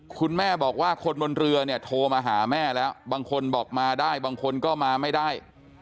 คุณแม่บอกว่าคนบนเรือเนี่ยโทรมาหาแม่แล้วบางคนบอกมาได้บางคนก็มาไม่ได้